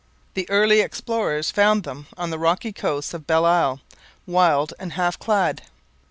The early explorers found them on the rocky coasts of Belle Isle, wild and half clad.